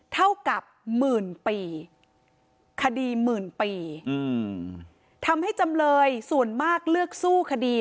เท่ากับหมื่นปีคดีหมื่นปีอืมทำให้จำเลยส่วนมากเลือกสู้คดี